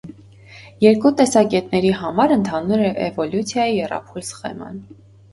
Երկու տեսակետների համար ընդհանուր է էվոլյուցիայի եռափուլ սխեման։